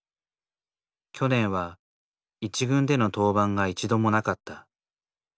去年は１軍での登板が一度もなかった。